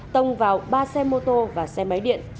tông vào ba xe mô tô và xe máy điện